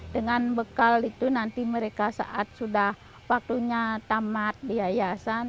dengan bekal itu nanti mereka saat sudah waktunya tamat di yayasan